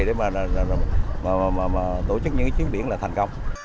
để mà tổ chức những chiến biển là thành công